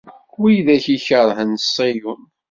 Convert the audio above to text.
Wid akk ikerhen Ṣiyun.